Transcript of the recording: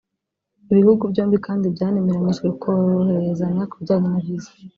Ibihugu byombi kandi byanemeranyijwe koroherezanya ku bijyanye na visa